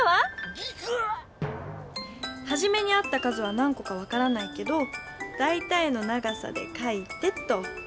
ギクッ！はじめにあった数は何こかわからないけどだいたいの長さで書いてっと。